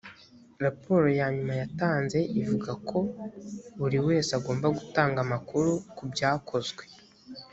raporo ya nyuma yatanze ivugako buri wese agomba gutanga amakuru kubyakozwe